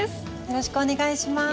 よろしくお願いします。